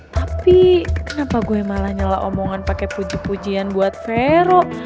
tapi kenapa gue malah nyela omongan pakai puji pujian buat vero